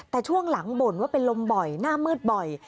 แต่ช่วงหลังบ่นว่าเป็นลมบ่อยหน้ามืดบ่อย